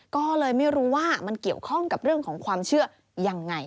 ก็เลยไม่รู้ว่ามันเกี่ยวข้องกับเรื่องของความเชื่อยังไง